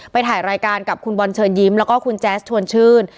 ถ่ายรายการกับคุณบอลเชิญยิ้มแล้วก็คุณแจ๊สชวนชื่น